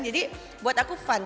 jadi buat aku fun